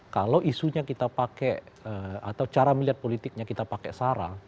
kalau isunya kita pakai atau cara melihat politiknya kita pakai sarang